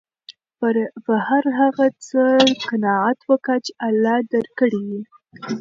په هر هغه څه قناعت وکه، چي الله درکړي يي.